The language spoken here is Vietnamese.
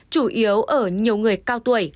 chủ yếu ở nhiều người cao tuổi